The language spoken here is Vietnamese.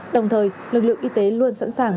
đồng thời lực lượng y tế luôn sẵn sàng